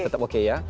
tetap oke ya